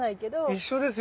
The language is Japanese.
一緒ですよね。